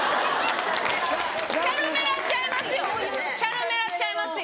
チャルメラちゃいますよ！